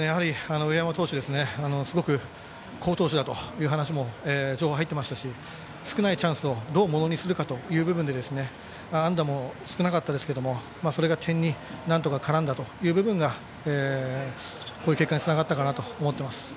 やはり上山投手はすごく好投手だという話も情報が入っていましたし少ないチャンスをどうものにするかという部分で安打も少なかったですがそれが、点になんとか絡んだという部分がこういう結果につながったかなと思っています。